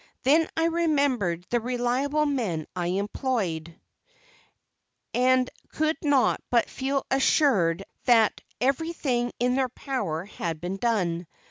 Then I remembered the reliable men I employed, and could not but feel assured that everything in their power had been done.